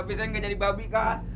tapi saya nggak jadi babi kan